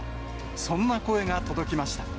そんな声が届きました。